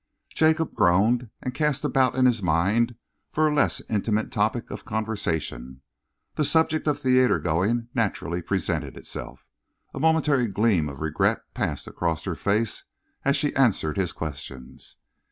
Jacob groaned and cast about in his mind for a less intimate topic of conversation. The subject of theatre going naturally presented itself. A momentary gleam of regret passed across her face as she answered his questions.